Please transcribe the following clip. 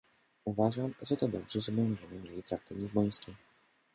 Uważam, że to dobrze, że będziemy mieli traktat lizboński